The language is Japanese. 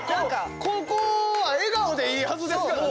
ここは笑顔でいいはずですからね。